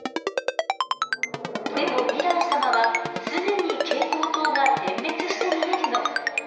でもヴィラン様は常に蛍光灯が点滅して見えるの。